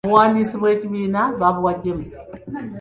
Obuwandiisi bw'ekibiina baabuwa James.